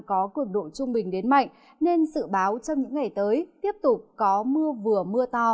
có cực độ trung bình đến mạnh nên sự báo trong những ngày tới tiếp tục có mưa vừa mưa to